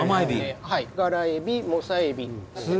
はいガラエビモサエビ。